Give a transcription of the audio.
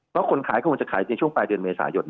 เพราะคนขายคงจะขายในช่วงปลายเดือนเมษายน